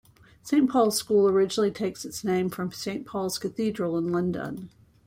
Saint Paul's School originally takes its name from Saint Paul's Cathedral in London.